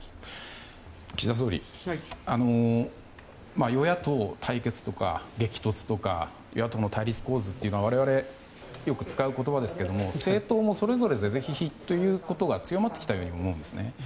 岸田総理与野党対決とか激突とか野党の対立構図というのは我々、よく使う言葉ですが政党それぞれ是々非々ということが強まってきたように思うんですね。